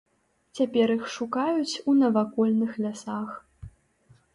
Цяпер іх шукаюць у навакольных лясах.